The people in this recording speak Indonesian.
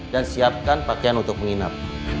dan siapkan pakaian untuk menginap